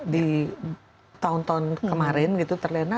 di tahun tahun kemarin gitu terlena